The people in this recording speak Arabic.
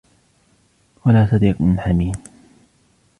ولا صديق حميم